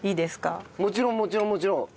もちろんもちろんもちろん。